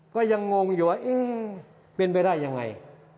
ก็ยังงงอยู่ว่าเอ๊ะเป็นไปได้ยังไง